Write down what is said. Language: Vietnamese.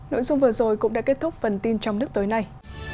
nội dung vừa rồi cũng đã kết thúc phần tin trong nước tối nay